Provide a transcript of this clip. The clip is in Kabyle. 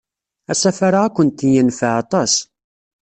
Asafar-a ad kent-yenfeɛ aṭas.